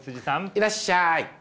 いらっしゃい。